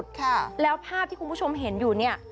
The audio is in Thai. ค่ะแล้วภาพที่คุณผู้ชมเห็นอยู่เนี่ย